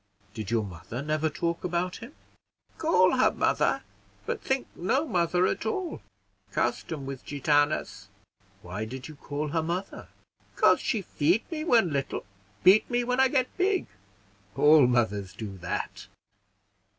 "Did your mother never talk about him?" "Call her mother, but think no mother at all. Custom with Gitanas." "Why did you call her mother?" "'Cause she feed me when little, beat me when I get big." "All mothers do that.